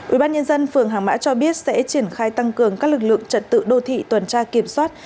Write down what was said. ubnd phường hàng mã cho biết sẽ triển khai tăng cường các lực lượng trật tự đô thị tuần tra kiểm soát